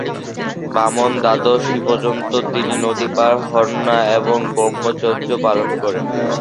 বামন দ্বাদশী পর্যন্ত তিনি নদী পার হন না এবং ব্রহ্মচর্য পালন করেন।